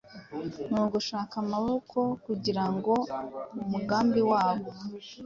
ni ugushaka amaboko kugira ngo umugambi wabo